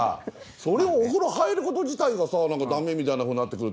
それをお風呂入ること自体がダメみたいなふうになって来ると。